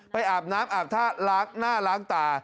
อาบน้ำอาบท่าล้างหน้าล้างตา